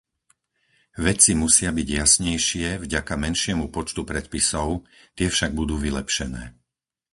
Veci musia byť jasnejšie vďaka menšiemu počtu predpisov, tie však budú vylepšené.